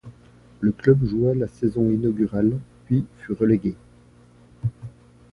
Le club joua la saison inaugurale puis fut relégué.